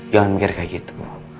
jangan mikir kayak gitu